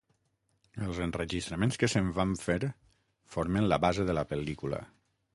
Els enregistraments que se'n van fer formen la base de la pel·lícula.